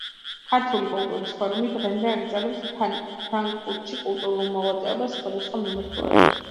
ქართული კულტურის ფორუმი დღემდე აგრძელებს ფრანკფურტში კულტურულ მოღვაწეობას სხვადასხვა მიმართულებით.